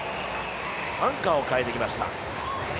アンカーを代えてきました。